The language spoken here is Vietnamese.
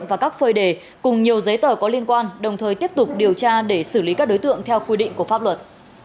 và các phơi đề cùng nhiều giấy tờ có liên quan đồng thời tiếp tục điều tra để xử lý các đối tượng theo quy định của pháp luật